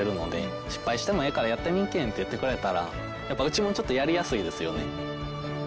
「失敗してもええからやってみんけん」って言ってくれたらうちもちょっとやりやすいですよね。